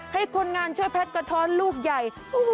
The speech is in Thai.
ให้คนงานช่วยแพ็กกระท้อนลูกใหญ่